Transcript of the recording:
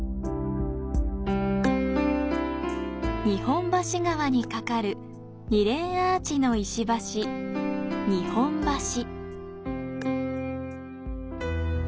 日本橋川にかかる二連アーチの石橋、日本橋。